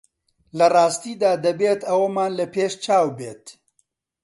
لە ڕاستیدا دەبێت ئەوەمان لە پێشچاو بێت